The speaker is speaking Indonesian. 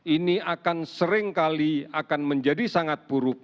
ini akan seringkali akan menjadi sangat buruk